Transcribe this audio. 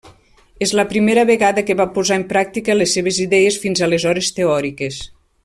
És la primera vegada que va posar en practica les seves idees fins aleshores teòriques.